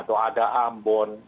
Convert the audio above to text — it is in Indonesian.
atau ada ambon